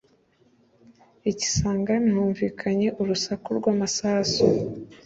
i Kisangani humvikanye urusaku rw’amasasu